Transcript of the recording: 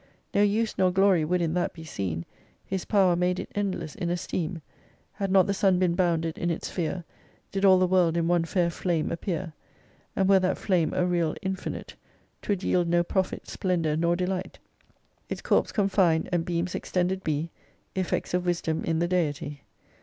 No use nor glory would in that be seen. His power made it endless in esteem. Had not the Sun been bounded in its sphere, Did all the world in one fair flame appear, And were that flame a real Infinite 'Twould yield no profit, splendor, nor delight. Its corps confined, and beams extended be Effects of Wisdom in the Deity.